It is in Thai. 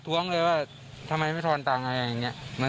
มันสีต่างนะ